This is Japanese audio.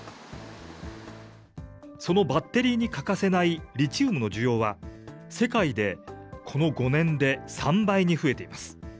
そのバッテリーに欠かせないリチウムの需要は、世界でこの５年で３倍に増えています。